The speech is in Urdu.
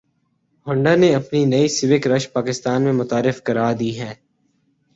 ہنڈا نے اپنی نئی سوک رش پاکستان میں متعارف کرا دی ہے